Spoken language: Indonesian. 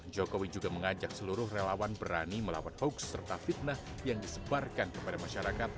jokowi juga mengajak seluruh relawan berani melawan hoaks serta fitnah yang disebarkan kepada masyarakat